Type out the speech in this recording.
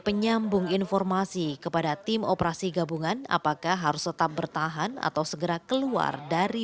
penyambung informasi kepada tim operasi gabungan apakah harus tetap bertahan atau segera keluar dari